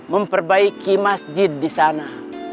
memperbaiki masjid disana